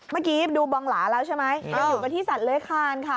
เมื่อกี้ดูบองหลาแล้วใช่ไหมอยู่ที่สัตว์เลขาลค่ะ